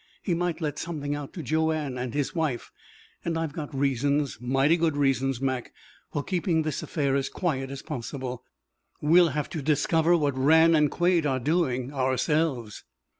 "He might let something out to Joanne and his wife, and I've got reasons mighty good reasons, Mac for keeping this affair as quiet as possible. We'll have to discover what Rann and Quade are doing ourselves."